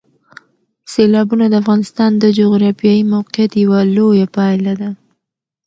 سیلابونه د افغانستان د جغرافیایي موقیعت یوه لویه پایله ده.